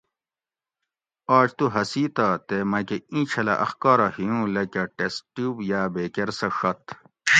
آج تو ہسی تہ تے مکہ ایں چھلہ اخکارہ ھی اوں لکہ ٹسٹ ٹیوب یا بیکۤر سہ ڛت